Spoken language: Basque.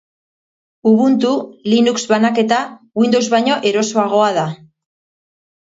Ubuntu, Linux banaketa, Windows baino erosoagoa da.